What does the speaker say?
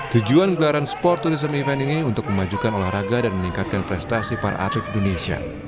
tujuan gelaran sport tourism event ini untuk memajukan olahraga dan meningkatkan prestasi para atlet indonesia